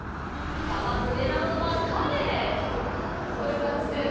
まず狙うのはカレイ！